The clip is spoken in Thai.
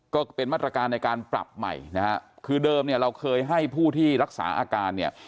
ก็เป็นมาตรการในการปรับใหม่นะฮะคือเดิมเนี่ยเราเคยให้ผู้ที่รักษาอาการเนี่ย